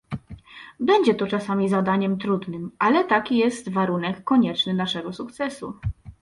Będzie to czasami zadaniem trudnym, ale taki jest warunek konieczny naszego sukcesu